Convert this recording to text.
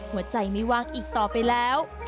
หัวใจไม่ว่างอีกต่อไปแล้ว